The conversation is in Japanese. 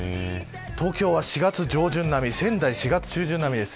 東京は４月上旬並み仙台、４月中旬並みです。